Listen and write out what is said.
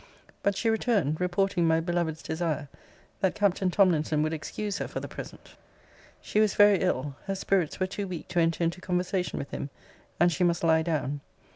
But she returned, reporting my beloved's desire, that Captain Tomlinson would excuse her for the present. She was very ill. Her spirits were too weak to enter into conversation with him; and she must lie down.